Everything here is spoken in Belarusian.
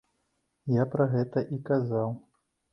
Я пра гэта і казаў.